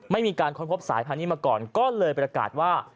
ไม่มีการค้นพบสายพันธุ์นี้มาก่อนก็เลยประกาศว่า